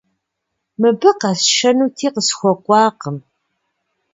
Мыбы къэсшэнути, къысхуэкӀуакъым.